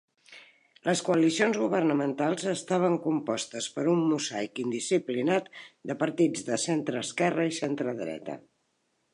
Les coalicions governamentals estaven compostes per un mosaic indisciplinat de partits de centreesquerra i centredreta.